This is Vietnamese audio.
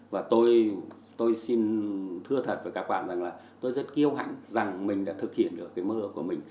và tôi xin thưa thật với các bạn rằng là tôi rất kêu hãnh rằng mình đã thực hiện được cái mơ ước của mình